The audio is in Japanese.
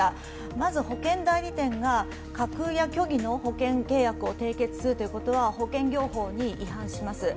まず保険代理店が架空や虚偽の保険契約を締結するということは保険業法に違反します。